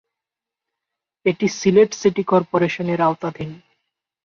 এটি সিলেট সিটি কর্পোরেশনের আওতাধীন।